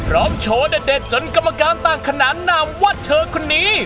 โชว์เด็ดจนกรรมการต่างขนานนามว่าเธอคนนี้